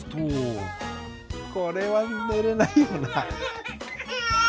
これは寝れないよな。